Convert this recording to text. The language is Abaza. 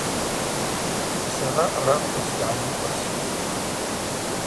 Сара аратква сгьгӏанымкъвастӏ.